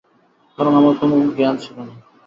কারণ আমার কোনো জ্ঞান ছিল না।